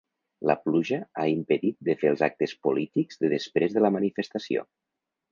La pluja ha impedit de fer els actes polítics de després de la manifestació.